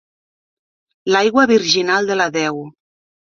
L'aigua virginal de la deu.